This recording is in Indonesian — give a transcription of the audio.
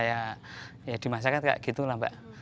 ya di masyarakat nggak gitu lah pak